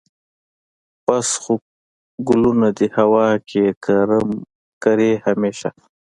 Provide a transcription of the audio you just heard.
بس خو ګلونه دي هوا کې یې کرې همیشه